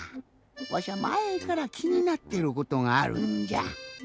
わしゃまえからきになってることがあるんじゃ。